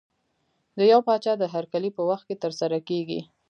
د یو پاچا د هرکلي په وخت کې ترسره کېږي.